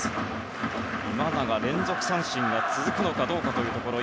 今永、連続三振が続くのかどうかというところ。